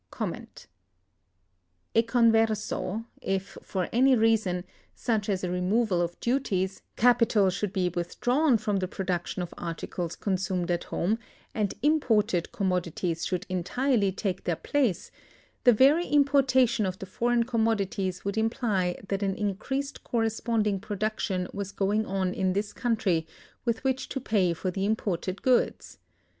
E converso, if for any reason, such as a removal of duties, capital should be withdrawn from the production of articles consumed at home, and imported commodities should entirely take their place, the very importation of the foreign commodities would imply that an increased corresponding production was going on in this country with which to pay for the imported goods.